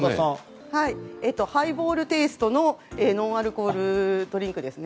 ハイボールテイストのノンアルコールドリンクですね。